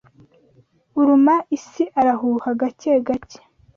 Uruma isi arahuha gake gake